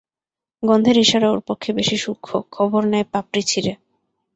গন্ধের ইশারা ওর পক্ষে বেশি ক্ষূক্ষ্ম, খবর নেয় পাপড়ি ছিঁড়ে।